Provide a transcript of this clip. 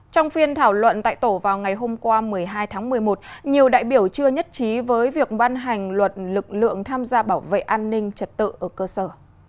trong phiên thảo luận tại tổ vào ngày hôm qua một mươi hai tháng một mươi một nhiều đại biểu chưa nhất trí với việc ban hành luật lực lượng tham gia bảo vệ an ninh trật tự ở cơ sở